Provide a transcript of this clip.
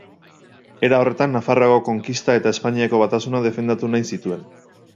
Era horretan, Nafarroako konkista eta Espainiako batasuna defendatu nahi zituen.